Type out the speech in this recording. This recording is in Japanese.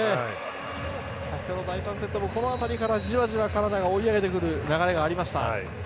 先ほど第３セットの後半辺りからカナダが追い上げてくる流れがありました。